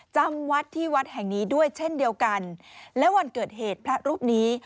จำวัดที่วัดแห่งนี้ด้วยเช่นเดียวกันและวันเกิดเหตุพระรูปนี้